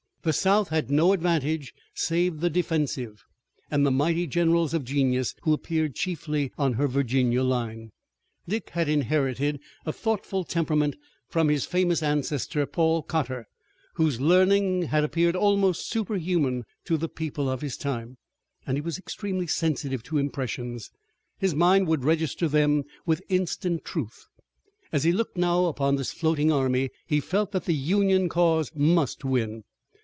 The South had no advantage save the defensive, and the mighty generals of genius who appeared chiefly on her Virginia line. Dick had inherited a thoughtful temperament from his famous ancestor, Paul Cotter, whose learning had appeared almost superhuman to the people of his time, and he was extremely sensitive to impressions. His mind would register them with instant truth. As he looked now upon this floating army he felt that the Union cause must win.